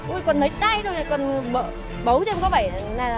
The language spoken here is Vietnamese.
ui còn lấy tay thôi còn bấu cho em có vẻ là thịt hay là nông bò